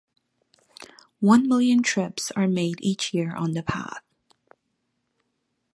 One million trips are made each year on the path.